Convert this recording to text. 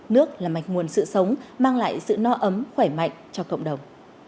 nước là mạch nguồn sự sống mang lại sự no ấm khỏe mạnh cho cộng đồng